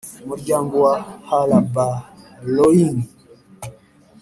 umuryango wa hullaballoing